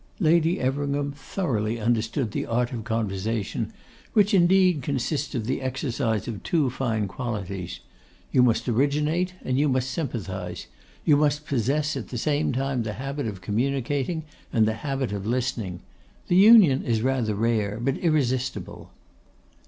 Lady Everingham thoroughly understood the art of conversation, which, indeed, consists of the exercise of two fine qualities. You must originate, and you must sympathise; you must possess at the same time the habit of communicating and the habit of listening. The union is rather rare, but irresistible.